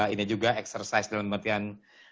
ini juga eksersis dalam artian